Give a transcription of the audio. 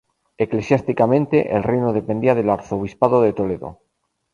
Eclesiásticamente, el Reino dependía del Arzobispado de Toledo.